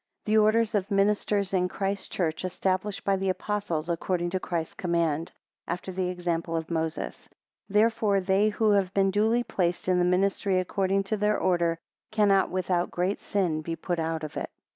The orders of Ministers in Christ's Church established by the Apostles, according to Christ's command, 7 after the example of Moses. 16 Therefore they who have been duly placed in the ministry according to their order, cannot without great sin be put out of it.